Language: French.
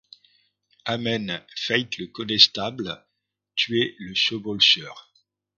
Amen, feit le connestable, tuez le chevaulcheur.